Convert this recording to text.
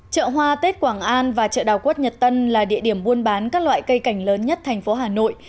chợ hoa tết quảng an và chợ đào quất nhật tân là địa điểm buôn bán các loại cây cảnh lớn nhất thành phố hà nội